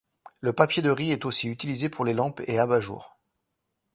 Le papier de riz est aussi utilisé pour les lampes et abat-jour.